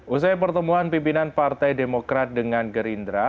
usai pertemuan pimpinan partai demokrat dengan gerindra